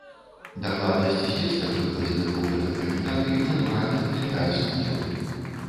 Дакладнасць звестак, выкладзеных у гэтым каментарыі, натуральна, выклікае сумневы.